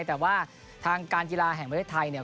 แต่ว่าทางการจีลาแห่งเมืองไทยเนี่ย